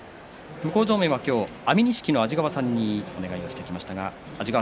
向正面は安美錦の安治川さんにお願いしてきました。